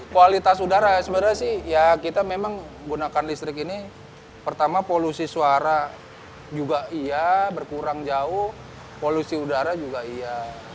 kualitas udara sebenarnya sih ya kita memang gunakan listrik ini pertama polusi suara juga iya berkurang jauh polusi udara juga iya